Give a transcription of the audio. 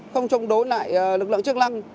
không chống đối lại lực lượng chức năng